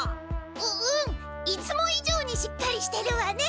ううん！いつもいじょうにしっかりしてるわね！